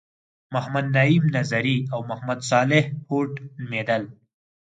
محمد نعیم نظري او محمد صالح هوډ نومیدل.